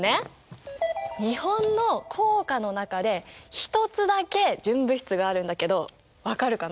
日本の硬貨の中で１つだけ純物質があるんだけど分かるかな？